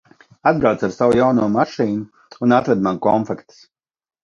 Atbrauc ar savu jauno mašīnu un atved man konfektes.